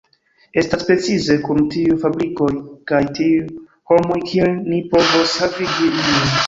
Estas precize kun tiuj fabrikoj kaj tiuj homoj kiel ni povos havigi ilin.